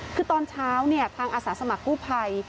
คือตอนเช้าทางอาสาสมัครกู้ภัย